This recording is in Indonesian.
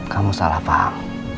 kamu salah paham